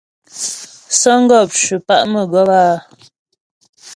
Sə̌ŋgɔp ncʉ pa' mə́gɔp áa.